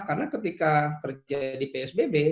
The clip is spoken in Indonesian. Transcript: karena ketika terjadi psb